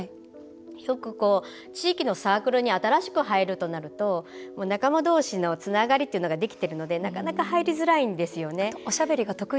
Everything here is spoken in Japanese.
よく地域のサークルに新しく入るとなると仲間同士のつながりというのができているので入りづらいんですね。